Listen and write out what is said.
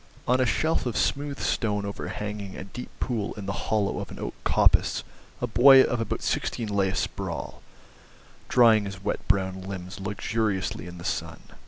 On a shelf of smooth stone overhanging a deep pool in the hollow of an oak coppice a boy of about sixteen lay asprawl, drying his wet brown limbs luxuriously in the sun.